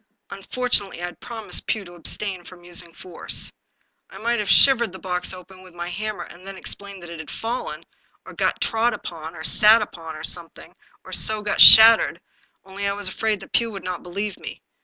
Unfortunately I had promised Pugh to abstain from using force. I might have shivered the box open with my hammer, and then explained that it had fallen, or got trod upon, or sat upon, or something, and so got shattered, only I was afraid that Pugh would not believe me.